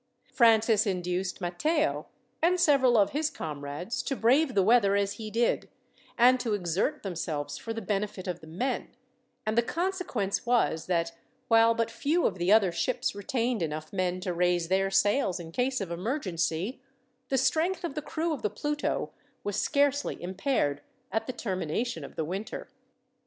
Francis induced Matteo, and several of his comrades, to brave the weather as he did, and to exert themselves for the benefit of the men; and the consequence was, that while but few of the other ships retained enough men to raise their sails in case of emergency, the strength of the crew of the Pluto was scarcely impaired at the termination of the winter.